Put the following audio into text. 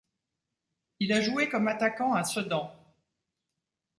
Il a joué comme attaquant à Sedan.